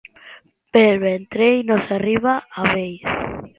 Pel ventrell no s'arriba a vell.